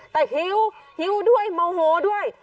แต่หิวหิวด้วยโมโหด้วย